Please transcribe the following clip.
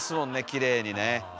きれいにね。